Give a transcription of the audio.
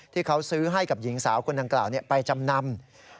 ที่เขาซื้อให้กับหญิงสาวคนดังกล่าวไปจำนำ